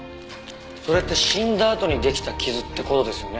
それって死んだあとに出来た傷って事ですよね？